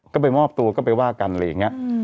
ก็ไปมอบตัวก็ไปว่ากันอะไรอย่างนี้